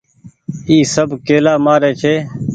اي سب ڪيلآ مآري ڇي۔